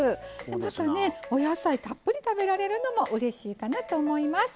またねお野菜たっぷり食べられるのもうれしいかなと思います。